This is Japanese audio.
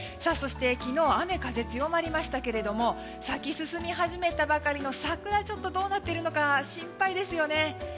そして昨日雨風、強まりましたけども咲き進み始めたばかりの桜どうなっているのか心配ですよね。